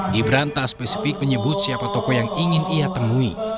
gibran tak spesifik menyebut siapa tokoh yang ingin ia temui